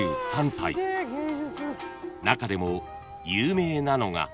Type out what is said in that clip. ［中でも有名なのが］